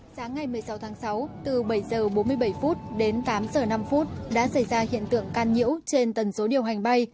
sáng ngày một mươi sáu tháng sáu từ bảy h bốn mươi bảy đến tám h năm đã xảy ra hiện tượng can nhiễu trên tần số điều hành bay